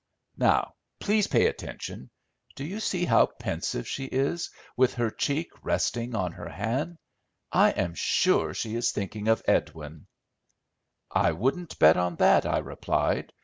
"Now, please pay attention. Do you see how pensive she is, with her cheek resting on her hand? I am sure she is thinking of Edwin." "I wouldn't bet on that," I replied.